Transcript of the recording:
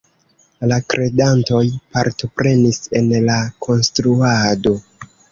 La kredantoj partoprenis en la konstruado.